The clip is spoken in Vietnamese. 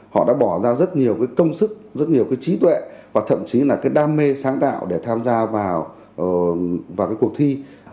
họ đã bỏ ra rất nhiều công sức rất nhiều trí tuệ và thậm chí là đam mê sáng tạo để tham gia vào cuộc thi